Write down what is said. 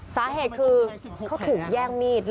สาเหตุคือเขาถูกแย่งมีด